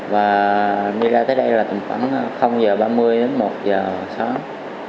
và em đi ra tới đây là khoảng h ba mươi đến một h sáng